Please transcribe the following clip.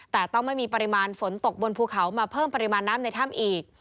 แต่ต้องไม่มีปริมาณฝนตกบนภูเขามาเพิ่มปริมาณน้ำในถ้ำอีก